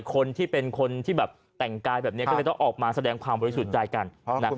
คนที่เป็นคนที่แบบแต่งกายแบบนี้ก็เลยต้องออกมาแสดงความบริสุทธิ์ใจกันนะ